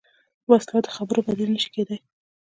وسله د خبرو بدیل نه شي کېدای